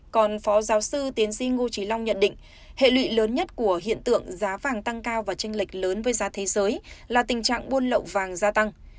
còn phó giáo sư tiến sĩ ngô trí long nhận định hệ lụy lớn nhất của hiện tượng giá vàng tăng cao và tranh lệch lớn với giá thế giới là tình trạng buôn lậu vàng gia tăng